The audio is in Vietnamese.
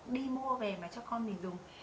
đi mua về cho con mình dùng